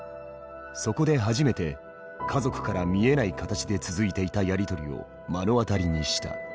そこで初めて家族から見えない形で続いていたやり取りを目の当たりにした。